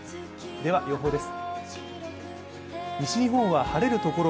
では予報です。